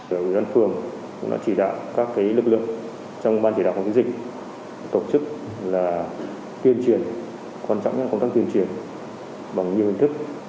tổ dân phường chỉ đạo các lực lượng trong ban chỉ đạo phòng chống dịch tổ chức là tuyên truyền quan trọng là công tác tuyên truyền bằng nhiều hình thức